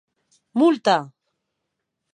Multa!